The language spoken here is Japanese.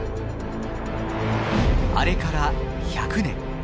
あれから１００年。